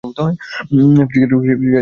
cricket থেকে আরও পড়ুন